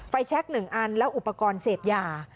ไฟแช็กหนึ่งอันแล้วอุปกรณ์เสพยา